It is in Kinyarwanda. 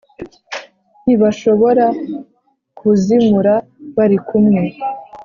ntibashobora kuzimura bari kumwe